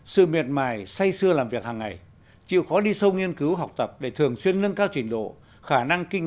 sự miệt mài say xưa làm việc hàng ngày